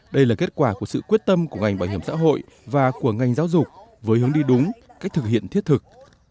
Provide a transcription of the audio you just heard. đây là kết quả của sự quyết tâm của ngành bảo hiểm xã hội và của ngành giáo dục với hướng đi đúng cách thực hiện thiết thực